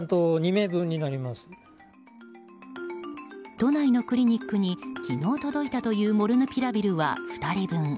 都内のクリニックに昨日届いたというモルヌピラビルは２人分。